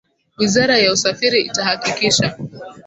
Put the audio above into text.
wizara ya usafiri itahakikisha